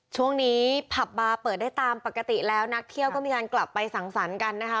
ช่วงนี้ผับบาร์เปิดได้ตามปกติแล้วนักเที่ยวก็มีการกลับไปสังสรรค์กันนะคะ